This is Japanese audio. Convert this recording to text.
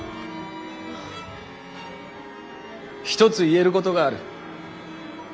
ひとつ言えることがある。